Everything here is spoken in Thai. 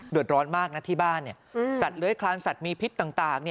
ดร้อนมากนะที่บ้านสัตว์เลื้อยคลานสัตว์มีพิษต่าง